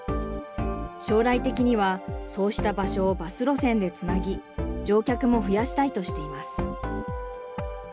将来的には、そうした場所をバス路線でつなぎ、乗客も増やしたいとしています。